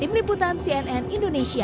tim liputan cnn indonesia